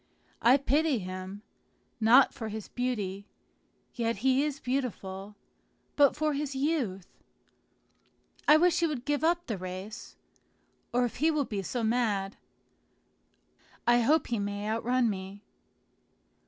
I pity him, not for his beauty (yet he is beautiful), but for his youth. I wish he would give up the race, or if he will be so mad, I hope he may outrun me."